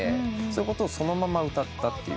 そういうことをそのまま歌ったというか。